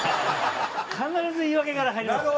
必ず言い訳から入ります。